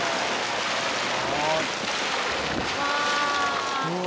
うわ。